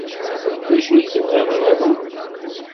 D acu i tebɣiḍ nniḍen?